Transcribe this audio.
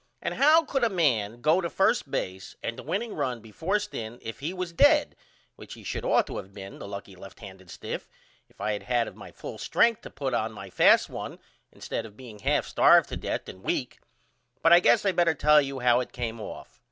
And how could a man go to 1st base and the winning run be forced in if he was dead which he should ought to of been the lucky left handed stiff if I had of had my full strenth to put on my fast one instead of being 1/2 starved to death and weak. But I guess I better tell you how it come off.